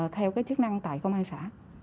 theo cái chức năng tại công an xã